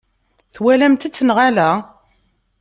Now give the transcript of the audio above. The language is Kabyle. Twalamt-t neɣ ala?